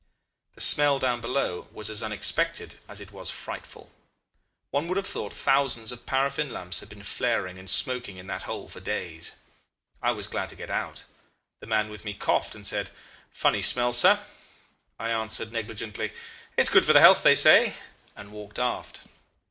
"The smell down below was as unexpected as it was frightful. One would have thought hundreds of paraffin lamps had been flaring and smoking in that hole for days. I was glad to get out. The man with me coughed and said, 'Funny smell, sir.' I answered negligently, 'It's good for the health, they say,' and walked aft.